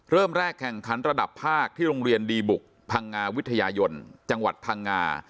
เริ่มแรกแข่งขันระดับภาคที่โรงเรียนดีบุกพังงาวิทยายนจังหวัดพังงา